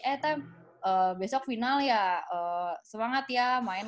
eh time besok final ya semangat ya main